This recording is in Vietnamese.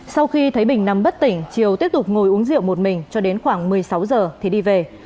sau khi thấy bình nằm bất tỉnh triều tiếp tục ngồi uống rượu một mình cho đến khoảng một mươi sáu giờ thì đi về